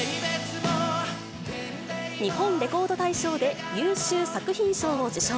日本レコード大賞で優秀作品賞を受賞。